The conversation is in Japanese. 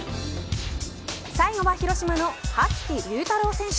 最後は広島の羽月隆太郎選手。